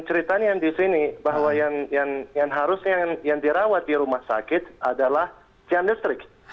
ceritanya yang di sini bahwa yang harusnya yang dirawat di rumah sakit adalah tiang listrik